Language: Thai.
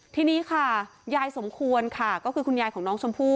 ทีนี้ค่ะยายสมควรค่ะก็คือคุณยายของน้องชมพู่